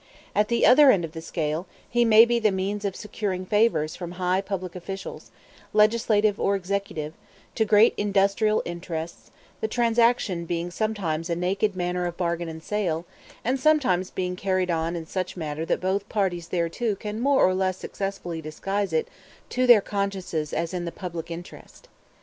If at the other end of the scale, he may be the means of securing favors from high public officials, legislative or executive, to great industrial interests; the transaction being sometimes a naked matter of bargain and sale, and sometimes being carried on in such manner that both parties thereto can more or less successfully disguise it to their consciences as in the public interest.